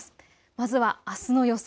まずはあすの予想